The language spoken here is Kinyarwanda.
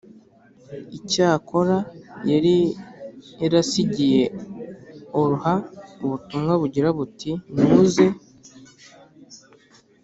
Icyakora yari yarasigiye Olha ubutumwa bugira buti muze